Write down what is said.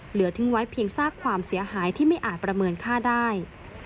เหลือทิ้งไว้เพียงซากความเสียหายที่ไม่อาจประเมินค่าได้